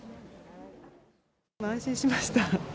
安心しました。